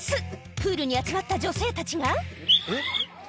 プールに集まった女性たちが。